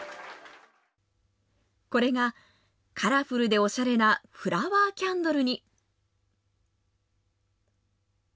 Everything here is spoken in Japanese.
これがカラフルでおしゃれなフラワーキャンドルに。